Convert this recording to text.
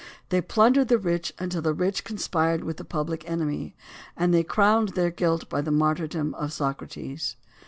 They plundered the rich until the rich conspired with the public enemy, and they crowned their guilt by the martyrdom of Socrates.